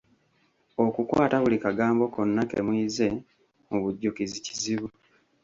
Okukwata buli kagambo konna ke muyize mu bujjukizi, kizibu.